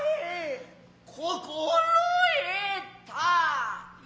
心得た。